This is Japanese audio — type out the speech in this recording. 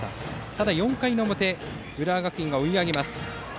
ただ４回の表浦和学院が追い上げます。